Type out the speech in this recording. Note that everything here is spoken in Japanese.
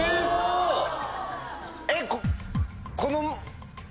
えっ！